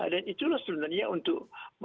dan itulah sebenarnya untuk